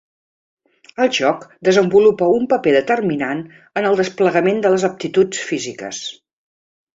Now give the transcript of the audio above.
El joc desenvolupa un paper determinant en el desplegament de les aptituds físiques.